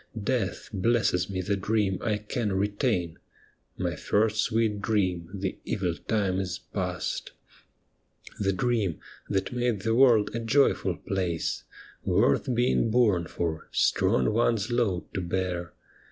Death blesses me the dream I can retain. My first sweet dream, the evil time is past. The dream that made the world a joyful place. 112 'THE ME WITHIN THEE BLIND!' Worth being born for, strong one's load to bear.